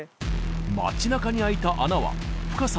町なかにあいた穴は深さ